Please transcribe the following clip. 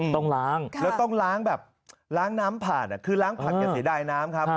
ต้องล้างแล้วต้องล้างแบบล้างน้ำผ่านคือล้างผักอย่าเสียดายน้ำครับ